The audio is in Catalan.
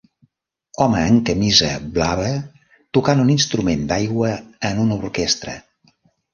Home amb camisa blava tocant un instrument d'aigua en una orquestra.